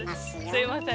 すいません